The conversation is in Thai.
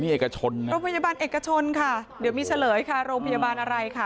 เอกชนนะโรงพยาบาลเอกชนค่ะเดี๋ยวมีเฉลยค่ะโรงพยาบาลอะไรค่ะ